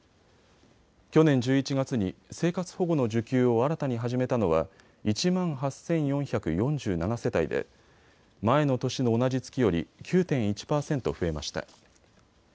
去年１１月に生活保護の受給を新たに始めたのは１万８４４７世帯で前の年の同じ月より９．１％増えました。